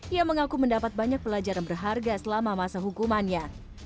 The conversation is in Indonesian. ia mengaku mendapat banyak pelajaran berharga selama masa hukumannya